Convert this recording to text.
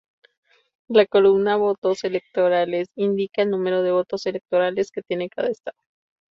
La columna "Votos electorales" indica el número de votos electorales que tiene cada estado.